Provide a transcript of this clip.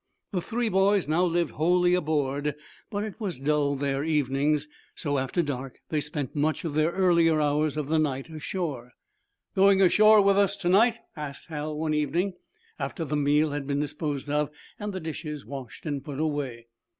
The three boys now lived wholly aboard, but it was dull there evenings, so after dark they spent much of the earlier hours of the night ashore. "Going ashore with us to night!" asked Hal, one evening, after the meal had been disposed of and the dishes washed and put away.